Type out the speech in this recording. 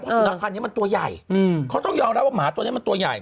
สุนัขพันธ์นี้มันตัวใหญ่เขาต้องยอมรับว่าหมาตัวนี้มันตัวใหญ่